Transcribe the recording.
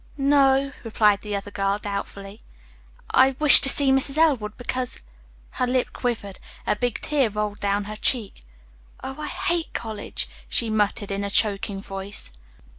"No o," replied the other girl doubtfully. "I wished to see Mrs. Elwood, because " Her lip quivered. A big tear rolled down her cheek. "Oh, I hate college," she muttered in a choking voice.